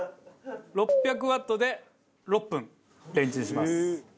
６００ワットで６分レンチンします。